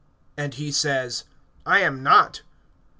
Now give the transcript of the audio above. And he says: I am not.